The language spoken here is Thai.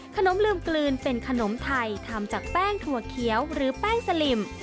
ขนมลืมกลืนเป็นขนมไทยทำจากแป้งถั่วเขียวหรือแป้งสลิม